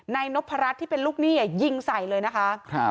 นายนพรัชที่เป็นลูกหนี้ยิงใส่เลยนะคะ